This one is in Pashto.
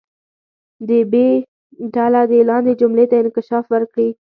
د ب ډله دې لاندې جملې ته انکشاف ورکړي.